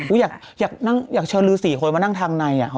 อุ๋ยอยากเชิญรวยสี่โครกดมานั่งทางใน